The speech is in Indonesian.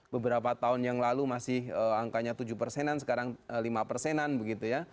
beberapa tahun yang lalu masih angkanya tujuh persenan sekarang lima persenan begitu ya